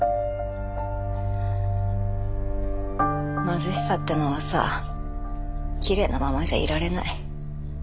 貧しさってのはさきれいなままじゃいられない。